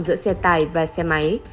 giữa xe tải và xe máy